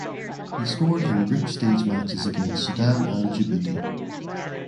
He scored in Group Stage matches against Sudan and Djibouti.